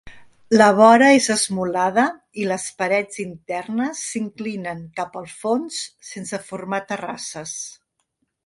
La vora és esmolada, i les parets internes s'inclinen cap al fons sense formar terrasses.